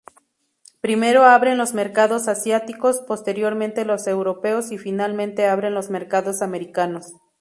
Primero abren los mercados asiáticos, posteriormente los europeos y finalmente abren los mercados americanos.